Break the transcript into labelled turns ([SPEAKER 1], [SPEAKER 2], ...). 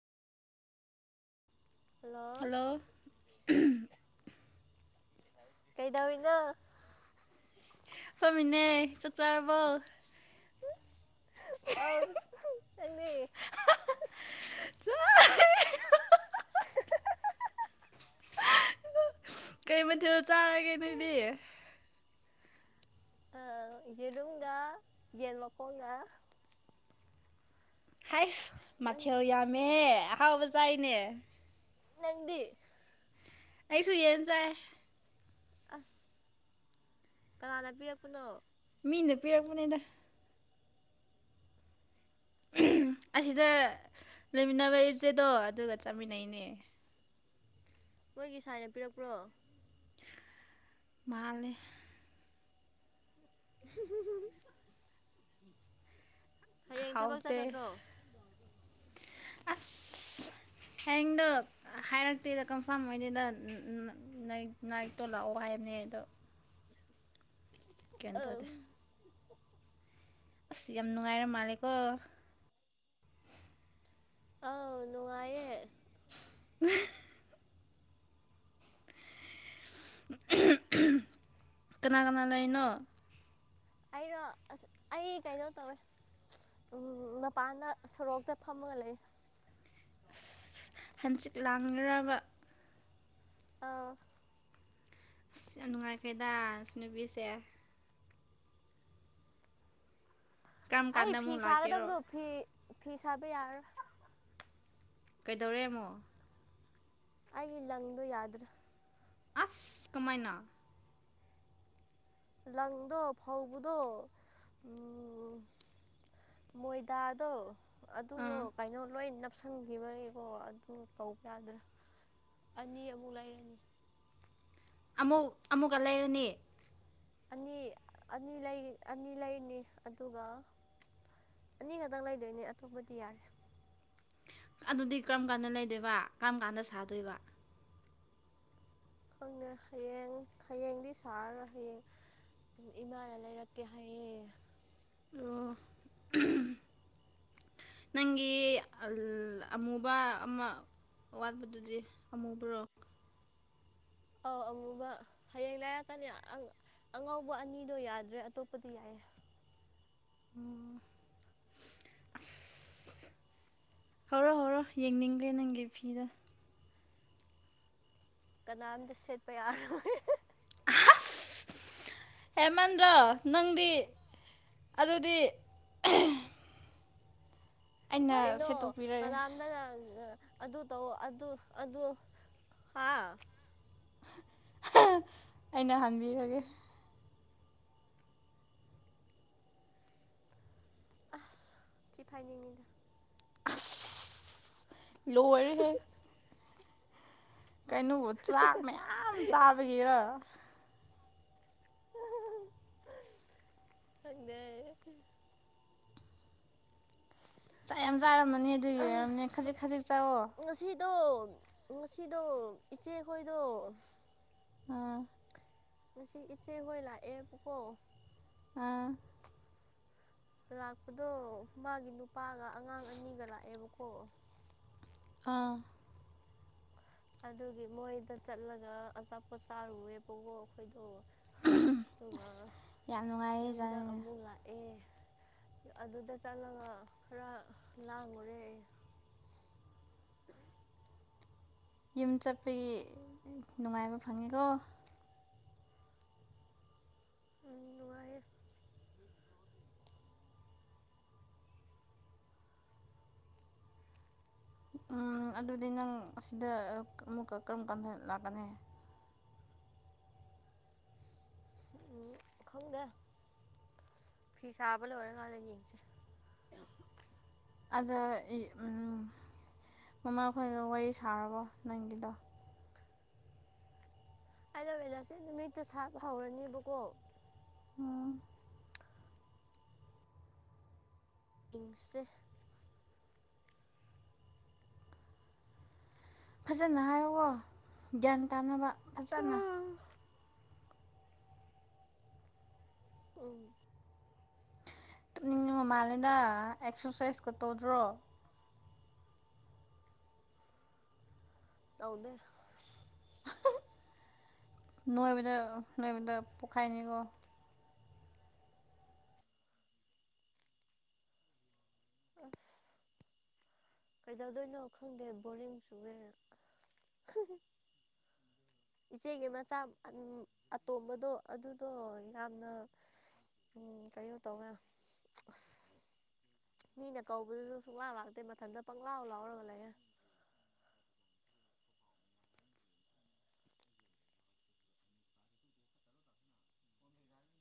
[SPEAKER 1] Hello
[SPEAKER 2] ꯀꯩꯗꯧꯔꯤꯅꯣ
[SPEAKER 1] ꯐꯃꯤꯅꯦ ꯆꯠꯆꯥꯔꯕꯣꯛ
[SPEAKER 2] [unintelligible]
[SPEAKER 1] ꯀꯩ ꯃꯊꯦꯜ ꯆꯥꯔꯒꯦ ꯅꯣꯏꯗꯤ꯫
[SPEAKER 2] ꯌꯦꯔꯨꯝꯒ ꯌꯦꯟ ꯃꯈꯣꯡꯒ꯫
[SPEAKER 1] ꯍꯩꯁ
[SPEAKER 2] ꯅꯪ
[SPEAKER 1] ꯃꯊꯦꯜ ꯌꯥꯝꯃꯦ ꯑꯍꯥꯎꯕ ꯆꯥꯏꯅꯦ꯫
[SPEAKER 2] ꯅꯪꯗꯤ꯫
[SPEAKER 1] ꯑꯩꯁꯨ ꯌꯦꯟ ꯆꯥꯌꯦ꯫
[SPEAKER 2] ꯑꯁ ꯀꯅꯥꯅ ꯄꯤꯔꯛꯄꯅꯣ꯫
[SPEAKER 1] ꯃꯤꯅ ꯄꯤꯔꯛꯄꯅꯤꯗ꯫ ꯑꯁꯤꯗ ꯂꯩꯃꯤꯟꯅꯕ ꯏꯆꯦꯗꯣ ꯑꯗꯨꯒ ꯆꯥꯃꯤꯟꯅꯩꯅꯦ꯫
[SPEAKER 2] ꯃꯣꯏꯒꯤ ꯁꯥꯏꯅ ꯄꯤꯔꯛꯄ꯭ꯔꯣ꯫
[SPEAKER 1] ꯃꯥꯂꯦ꯫
[SPEAKER 2] [unintelligible] ꯍꯌꯦꯡ ꯊꯕꯛ
[SPEAKER 1] ꯍꯥꯎꯇꯦ
[SPEAKER 2] ꯆꯠꯀꯗ꯭ꯔꯣ
[SPEAKER 1] ꯑꯁ꯫ ꯍꯌꯦꯡꯗꯣ ꯍꯥꯏꯔꯛꯇꯦꯗ ꯀꯟꯐꯥꯔꯝ ꯑꯣꯏꯗꯦꯗ ꯅꯥꯏ ꯅꯥꯏꯠꯇꯣ ꯂꯥꯛꯑꯣ ꯍꯥꯏꯔ ꯅꯦ ꯑꯗꯣ꯫
[SPEAKER 2] ꯑꯪ
[SPEAKER 1] ꯀꯩꯟꯇꯧꯗꯦ꯫ ꯑꯁ ꯌꯥꯝ ꯅꯨꯡꯉꯥꯏꯔ ꯃꯥꯂꯦꯀꯣ꯫
[SPEAKER 2] ꯑꯥꯎ ꯅꯨꯡꯉꯥꯏꯌꯦ꯫
[SPEAKER 1] [unintelligible] ꯀꯅꯥ ꯀꯅꯥ ꯂꯩꯅꯣ꯫
[SPEAKER 2] ꯑꯩꯔꯣ ꯑꯁ ꯑꯩ ꯀꯩꯅꯤ ꯇꯧꯋꯦ꯫ ꯎꯝ ꯃꯄꯥꯟꯗ ꯁꯣꯔꯣꯛꯇ ꯐꯝꯃꯒ ꯂꯩꯌꯦ꯫
[SPEAKER 1] ꯑꯁ ꯍꯟꯆꯤꯠ ꯂꯥꯡꯉꯤꯔꯕ꯫
[SPEAKER 2] ꯑꯥ꯫
[SPEAKER 1] ꯑꯁ ꯌꯥꯝ ꯅꯨꯡꯉꯥꯏꯈ꯭ꯔꯦꯗ ꯁꯤ ꯅꯨꯄꯤꯁꯦ꯫ ꯀꯔꯝ
[SPEAKER 2] ꯑꯩ
[SPEAKER 1] ꯀꯥꯟꯗ
[SPEAKER 2] ꯐꯤ
[SPEAKER 1] ꯑꯃꯨꯛ ꯂꯥꯛꯀꯦꯔꯣ
[SPEAKER 2] ꯁꯥꯒꯗꯕꯗꯣ ꯐꯤ ꯐꯤ ꯁꯥꯕ ꯌꯥꯔꯔꯣꯏ꯫
[SPEAKER 1] ꯀꯩꯗꯧꯔꯦ ꯑꯃꯨꯛ꯫
[SPEAKER 2] ꯑꯩꯒꯤ ꯂꯪꯗꯣ ꯌꯥꯗ꯭ꯔꯦ꯫
[SPEAKER 1] ꯑꯁ ꯀꯃꯥꯏꯅ꯫
[SPEAKER 2] ꯂꯪꯗꯣ ꯐꯥꯎꯕꯗꯣ ꯃꯣꯏꯗꯥꯗꯣ ꯑꯗꯨꯗꯣ
[SPEAKER 1] ꯑꯥ
[SPEAKER 2] ꯀꯩꯅꯣ ꯂꯣꯏ ꯅꯥꯞ ꯅꯞꯁꯟꯈꯤꯕꯒꯤꯀꯣ ꯑꯗꯨ ꯇꯧꯕ ꯌꯥꯗ꯭ꯔꯦ ꯑꯅꯤ ꯑꯃꯨꯛ ꯂꯩꯔꯅꯤ꯫
[SPEAKER 1] ꯑꯃꯨꯛ ꯑꯃꯨꯛꯀ ꯂꯩꯔꯅꯤ꯫
[SPEAKER 2] ꯑꯅꯤ ꯑꯅꯤ ꯂꯩ ꯑꯅꯤ ꯂꯩꯅꯤ ꯑꯗꯨꯒ ꯑꯅꯤꯈꯛꯇꯪ ꯂꯩꯗꯣꯏꯅꯦ ꯑꯇꯣꯞꯄꯗꯤ ꯌꯥꯔꯦ꯫
[SPEAKER 1] ꯑꯗꯨꯗꯤ ꯀꯔꯝ ꯀꯥꯟꯗ ꯂꯩꯗꯣꯏꯕ ꯀꯔꯝ ꯀꯥꯟꯗ ꯁꯥꯗꯣꯏꯕ꯫
[SPEAKER 2] ꯈꯪꯗꯦ ꯍꯌꯦꯡ ꯍꯌꯦꯡꯗꯤ ꯁꯥꯔꯔꯣꯏ ꯍꯌꯦꯡ ꯏꯃꯥꯅ ꯂꯩꯔꯛꯀꯦ ꯍꯥꯏꯌꯦ꯫
[SPEAKER 1] ꯑꯣ꯫ ꯅꯪꯒꯤ ꯑꯃꯨꯕ ꯑꯃ ꯑꯋꯥꯠꯄꯗꯨꯗꯤ ꯑꯃꯨꯕꯔꯣ꯫
[SPEAKER 2] ꯑꯧ ꯑꯃꯨꯕ ꯍꯌꯦꯡ ꯂꯥꯏꯔꯛꯀꯅꯤ ꯑꯪ ꯑꯉꯧꯕ ꯑꯅꯤꯗꯣ ꯌꯥꯗ꯭ꯔꯦ ꯑꯇꯣꯞꯄꯗꯤ ꯌꯥꯏꯌꯦ꯫
[SPEAKER 1] ꯑꯣ ꯑꯁ꯫ ꯍꯧꯔꯣ ꯍꯧꯔꯣ ꯌꯦꯡꯅꯤꯡꯒꯔꯦ ꯅꯪꯒꯤ ꯐꯤꯗꯣ꯫
[SPEAKER 2] ꯀꯅꯥꯝꯇ ꯁꯦꯠꯄ ꯌꯥꯔꯣꯏ꯫
[SPEAKER 1] [unintelligible] ꯍꯦꯃꯟꯗ꯭ꯔꯣ ꯅꯪꯗꯤ ꯑꯗꯨꯗꯤ꯫ ꯑꯩꯅ
[SPEAKER 2] ꯀꯩꯅꯣ
[SPEAKER 1] ꯁꯦꯠꯇꯣꯛꯄꯤꯔꯒꯦ
[SPEAKER 2] ꯀꯅꯥꯝꯗꯅ ꯑꯗꯨ ꯇꯧ ꯑꯗꯨ ꯑꯗꯨ ꯍꯥ
[SPEAKER 1] ꯑꯩꯅ ꯍꯟꯕꯤꯔꯒꯦ꯫
[SPEAKER 2] ꯑꯁ ꯆꯤꯐꯥ ꯌꯦꯉꯗ
[SPEAKER 1] ꯂꯑꯔ ꯍꯦ ꯀꯩꯅꯣꯕꯨ ꯆꯥꯛ ꯃꯌꯥꯝ ꯆꯥꯕꯒꯤꯔ
[SPEAKER 2] ꯗ
[SPEAKER 1] ꯆꯥꯛ ꯌꯥꯝ ꯆꯥꯔꯝꯃꯅꯤ ꯑꯗꯨ ꯌꯦꯡꯔꯝꯅꯦ ꯈꯖꯤꯛ ꯈꯖꯤꯛ ꯆꯥꯛꯑꯣ
[SPEAKER 2] ꯑꯗꯣ ꯉꯁꯤꯗꯣ ꯏꯆꯦꯈꯣꯏꯗꯣ
[SPEAKER 1] ꯑ
[SPEAKER 2] ꯉꯁꯤ ꯏꯆꯦ ꯍꯣꯏ ꯂꯥꯛꯑꯦꯕꯀꯣ
[SPEAKER 1] ꯑꯥ
[SPEAKER 2] ꯂꯥꯛꯄꯗꯣ ꯃꯥꯒꯤ ꯅꯨꯄꯥꯒ ꯑꯉꯥꯡ ꯑꯅꯤꯒ ꯂꯥꯛꯑꯦꯕꯀꯣ
[SPEAKER 1] ꯑꯥ
[SPEAKER 2] ꯑꯗꯨꯒꯤ ꯃꯣꯏꯗ ꯆꯠꯂꯒ ꯑꯆꯥꯄꯣꯠ ꯆꯥꯔꯨꯑꯦꯕꯀꯣ ꯑꯩꯈꯣꯏꯗꯣ ꯑꯗꯨꯒ
[SPEAKER 1] ꯑꯁ ꯌꯥꯝ ꯅꯨꯡꯉꯥꯏꯌꯦ
[SPEAKER 2] ꯌꯨꯝꯗ
[SPEAKER 1] ꯖꯥꯠꯅꯤꯅꯦ
[SPEAKER 2] ꯑꯃꯨꯛ ꯂꯥꯛꯑꯦ ꯑꯗꯨꯗ ꯆꯠꯂꯒ ꯈꯔ ꯂꯥꯡꯉꯨꯔꯦ ꯑꯩ
[SPEAKER 1] [unintelligible] ꯌꯨꯝ ꯆꯠꯄꯒꯤ ꯅꯨꯡꯉꯥꯏꯕ ꯐꯪꯉꯤꯀꯣ
[SPEAKER 2] ꯉꯥꯏ
[SPEAKER 1] ꯎꯝ ꯑꯗꯨꯗꯤ ꯅꯪ ꯑꯁꯤꯗ ꯑꯃꯨꯛꯀ ꯀꯔꯝ ꯀꯥꯟꯗ ꯂꯥꯛꯀꯅꯤ
[SPEAKER 2] ꯎ ꯈꯪꯗ ꯐꯤ ꯁꯥꯥꯕ ꯂꯣꯏꯔꯦ ꯀꯂ ꯌꯦꯡꯁꯦ
[SPEAKER 1] ꯑꯗ ꯃꯃꯥ ꯈꯣꯏꯒ ꯋꯥꯔꯤ ꯁꯥꯔꯕꯣ ꯅꯪꯒꯤꯗꯣ
[SPEAKER 2] ꯑꯗꯂꯁꯦ ꯅꯨꯃꯤꯠꯇ ꯁꯥꯕ ꯍꯧꯔꯅꯦꯕꯀꯣ
[SPEAKER 1] ꯎꯝ
[SPEAKER 2] ꯏꯤꯡꯁꯦ
[SPEAKER 1] ꯐꯖꯅ ꯍꯥꯏꯌꯋꯣ ꯒ꯭ꯌꯥꯟ ꯇꯥꯅꯕ ꯐꯖꯅ
[SPEAKER 2] ꯎꯝ
[SPEAKER 1] ꯇꯞꯅꯤꯡ ꯃꯃꯥꯂꯅ ꯑꯦꯛꯁꯔꯁꯥꯏꯁꯀ ꯇꯧꯗ꯭ꯔꯣ
[SPEAKER 2] ꯑꯅꯦ
[SPEAKER 1] [unintelligible] ꯅꯣꯏꯕꯗ ꯅꯣꯏꯕꯗ ꯄꯣꯛꯈꯥꯏꯅꯤꯀꯣ
[SPEAKER 2] ꯑꯐ ꯀꯩꯗꯧꯗꯣꯏꯅꯣ ꯈꯪꯗꯦ ꯕꯣꯔꯤꯡ ꯁꯨꯒꯦꯔꯥ ꯏꯆꯦꯒꯤ ꯃꯆꯥ ꯑꯇꯣꯝꯕꯗꯣ ꯑꯗꯨꯗꯣ ꯌꯥꯝꯅ ꯎꯝ ꯀꯩꯅꯣ ꯇꯧꯔ ꯑ ꯃꯤꯅ ꯀꯧꯕꯗꯨꯁꯨ ꯁꯨꯡꯂꯥꯡ ꯂꯥꯛꯇꯦ ꯃꯊꯟꯇ ꯄꯪꯪꯂꯥꯎ ꯂꯥꯎꯔꯒ ꯂꯩꯌꯦꯦ